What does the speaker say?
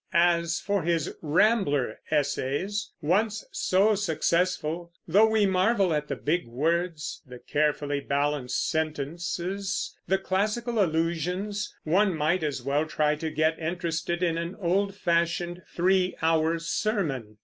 As for his Rambler essays, once so successful, though we marvel at the big words, the carefully balanced sentences, the classical allusions, one might as well try to get interested in an old fashioned, three hour sermon.